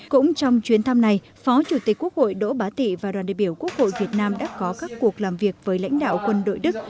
cũng trong chuyến thăm này phó chủ tịch quốc hội đỗ bá tị và đoàn đại biểu quốc hội việt nam đã có các cuộc làm việc với lãnh đạo quân đội đức